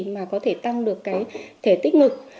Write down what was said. mà có thể tăng được cái thể tích ngực